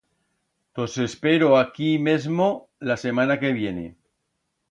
Tos espero aquí mesmo la semana que viene.